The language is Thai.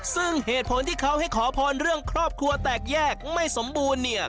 ซึ่งเหตุผลที่เขาให้ขอพรเรื่องครอบครัวแตกแยกไม่สมบูรณ์เนี่ย